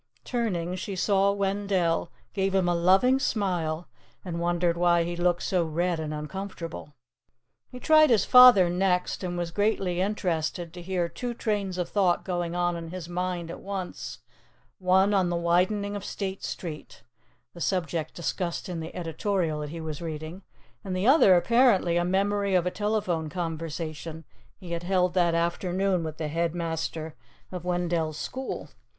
'" Turning, she saw Wendell, gave him a loving smile, and wondered why he looked so red and uncomfortable. He tried his father next, and was greatly interested to hear two trains of thought going on in his mind at once, one on the widening of State Street (the subject discussed in the editorial that he was reading), and the other apparently a memory of a telephone conversation he had held that afternoon with the head master of Wendell's school.